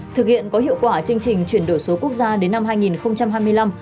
thực hiện có hiệu quả chương trình chuyển đổi số quốc gia đến năm hai nghìn hai mươi năm